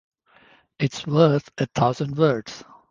It's worth a thousand words.